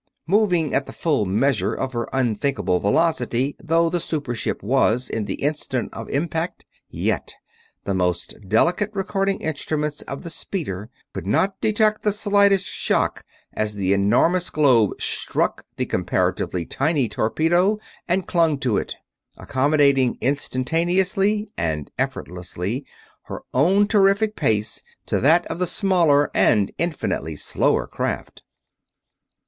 Moving at the full measure of her unthinkable velocity though the super ship was in the instant of impact, yet the most delicate recording instruments of the speedster could not detect the slightest shock as the enormous globe struck the comparatively tiny torpedo and clung to it; accommodating instantaneously and effortlessly her own terrific pace to that of the smaller and infinitely slower craft.